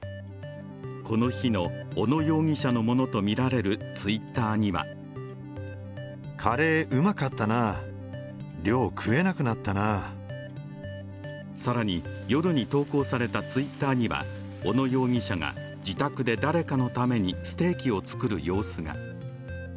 この日の小野容疑者のものとみられるＴｗｉｔｔｅｒには更に夜に投稿されたＴｗｉｔｔｅｒには小野容疑者が自宅で誰かのためにステーキを作る様子が。